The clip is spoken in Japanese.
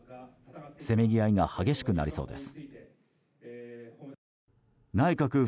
せめぎ合いが激しくなりそうです。